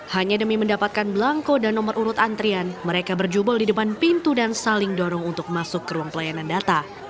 hanya demi mendapatkan belangko dan nomor urut antrian mereka berjubel di depan pintu dan saling dorong untuk masuk ke ruang pelayanan data